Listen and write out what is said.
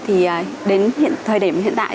thì đến thời điểm hiện tại